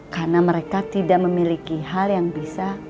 karena mereka tidak memiliki hal yang bisa